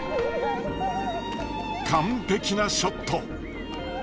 完璧なショット！